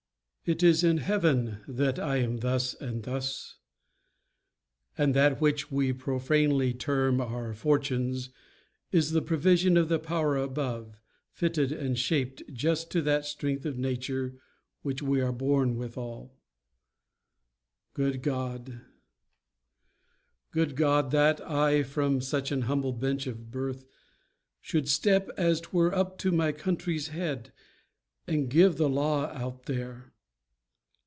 it is in heaven that I am thus and thus; And that which we profanely term our fortunes Is the provision of the power above, Fitted and shaped just to that strength of nature Which we are borne withal. Good God, good Go, That I from such an humble bench of birth Should step as twere up to my country's head, And give the law out there!